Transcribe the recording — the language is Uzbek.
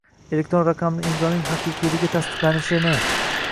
elektron raqamli imzoning haqiqiyligi tasdiqlanishini